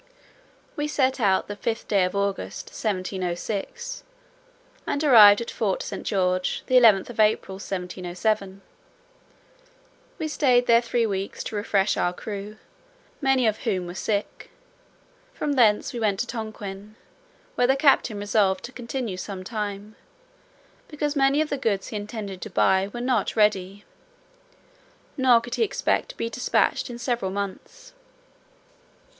We set out the 5th day of August, 1706, and arrived at Fort St. George the 11th of April, 1707. We staid there three weeks to refresh our crew, many of whom were sick. From thence we went to Tonquin, where the captain resolved to continue some time, because many of the goods he intended to buy were not ready, nor could he expect to be dispatched in several months.